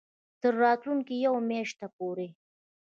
تر راتلونکې یوې میاشتې پورې